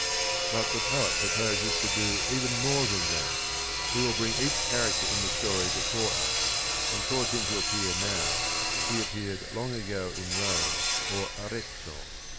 But the poet proposes to do even more than that. He will bring each character in the story before us, and cause him to appear now as he appeared long ago in Rome or Arezzo.